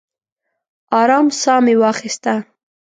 ارام ساه مې واخیسته.